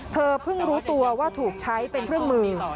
เธอเพิ่งรู้ตัวว่าถูกใช้เป็นเครื่องมือ